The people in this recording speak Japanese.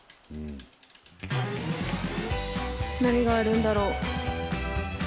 何があるんだろう。